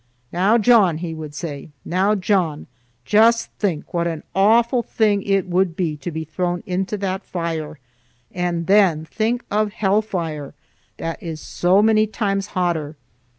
"Now, John," he would say,—"now, John, just think what an awful thing it would be to be thrown into that fire:—and then think of hellfire, that is so many times hotter.